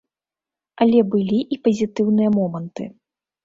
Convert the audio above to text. Але былі і пазітыўныя моманты.